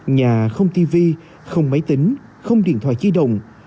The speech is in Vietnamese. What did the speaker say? nhà không tv không máy tính không điện thoại di động